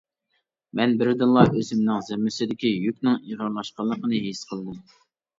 مەن بىردىنلا ئۆزۈمنىڭ زىممىسىدىكى يۈكنىڭ ئېغىرلاشقانلىقىنى ھېس قىلدىم.